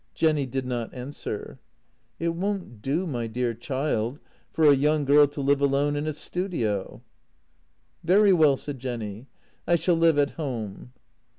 Jenny did not answer. " It won't do, my dear child, for a young girl to live alone in a studio." " Very well," said Jenny; " I shall live at home."